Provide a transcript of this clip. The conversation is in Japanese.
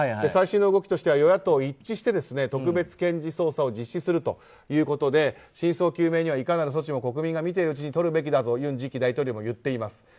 最新の動きとしては与野党一致して特別検事捜査を実施するということで真相究明にはいかなる措置も国民が見ているうちに取るべきだと尹次期大統領も言っています。